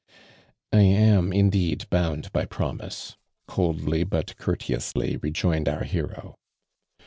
•* I am indeed bound by promise," coldly Wut courteously rejoined our hero.